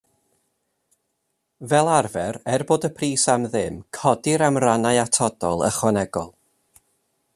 Fel arfer, er bod y pris am ddim, codir am rannau atodol, ychwanegol.